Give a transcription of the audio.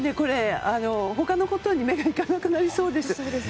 他のことに目がいかなくなりそうです。